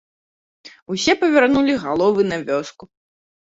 Усе павярнулі галовы на вёску.